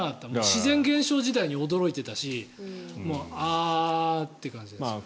自然現象自体に驚いてたしあーっていう感じでした。